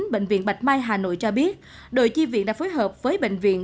bệnh viện bạch mai hà nội cho biết đội chi viện đã phối hợp với bệnh viện